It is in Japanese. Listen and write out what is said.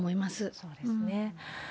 そうですね。